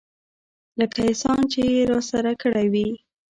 لکه احسان چې يې راسره کړى وي.